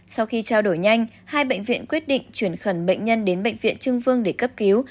sau khi trao đổi nhanh hai bệnh viện quyết định chuyển khẩn bệnh nhân đến bệnh viện trưng vương để cấp cứu